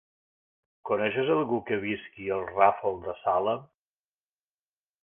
Coneixes algú que visqui al Ràfol de Salem?